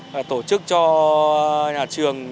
và tổ chức cho nhà trường